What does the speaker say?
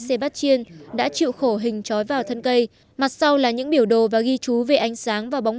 sébastien đã chịu khổ hình trói vào thân cây mặt sau là những biểu đồ và ghi chú về ánh sáng và bóng